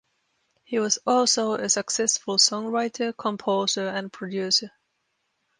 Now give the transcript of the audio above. He was also a successful songwriter, composer, and producer.